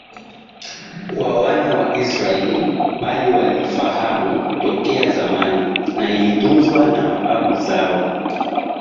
kwa wana wa Israeli bali waliifahamu tokea zamani na ilitunzwa na mababu zao